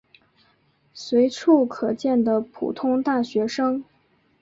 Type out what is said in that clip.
随处可见的普通大学生。